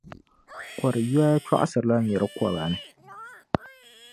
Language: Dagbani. kɔr’ yoya chɔɣisirila nir’ kɔba ni.